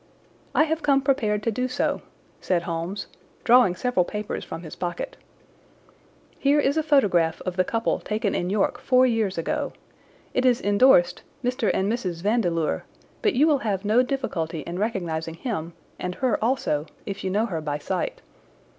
"I have come prepared to do so," said Holmes, drawing several papers from his pocket. "Here is a photograph of the couple taken in York four years ago. It is indorsed 'Mr. and Mrs. Vandeleur,' but you will have no difficulty in recognizing him, and her also, if you know her by sight.